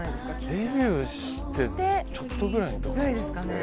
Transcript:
デビューしてちょっとぐらいですかね。